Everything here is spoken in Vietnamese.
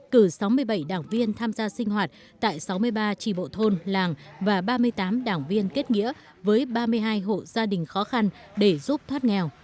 cử sáu mươi bảy đảng viên tham gia sinh hoạt tại sáu mươi ba tri bộ thôn làng và ba mươi tám đảng viên kết nghĩa với ba mươi hai hộ gia đình khó khăn để giúp thoát nghèo